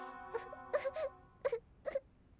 うっうっ。